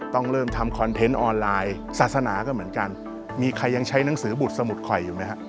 ต้องเริ่มทำคอนเทนต์ออนไลน์ศาสนาก็เหมือนกันมีใครยังใช้หนังสือบุตรสมุดข่อยอยู่ไหมฮะ